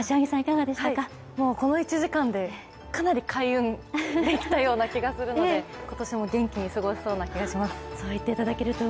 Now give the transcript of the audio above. この１時間でかなり開運できたような気がするので今年も元気に過ごせそうな気がします。